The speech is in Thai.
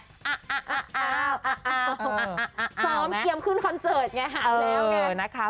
ซ้อมเกี่ยวขึ้นคอนเซิร์ตไงหลักแล้วไง